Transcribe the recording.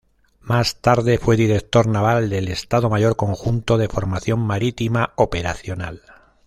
Más tarde fue director Naval del Estado Mayor Conjunto de Formación Marítima Operacional.